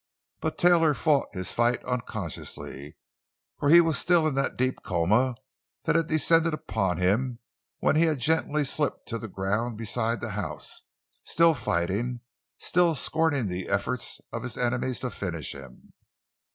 But Taylor fought his fight unconsciously, for he was still in that deep coma that had descended upon him when he had gently slipped to the ground beside the house, still fighting, still scorning the efforts of his enemies to finish him.